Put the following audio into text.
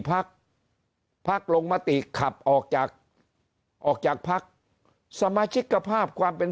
พักพักลงมติขับออกจากออกจากพักสมาชิกภาพความเป็น